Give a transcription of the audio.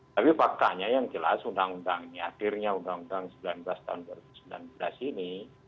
tapi fakta yang jelas undang undang ini akhirnya undang undang dua ribu sembilan belas ini